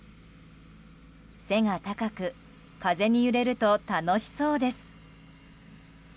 背が高く風に揺れると楽しそうです。